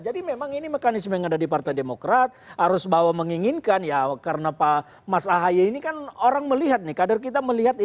jadi memang ini mekanisme yang ada di partai demokrat harus bahwa menginginkan ya karena mas ahaye ini kan orang melihat nih kader kita melihat ini